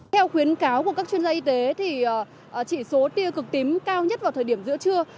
theo khuyến cáo của các chuyên gia y tế thì chỉ số tiêu cực tím cao nhất vào thời điểm giữa trưa